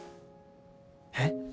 えっ？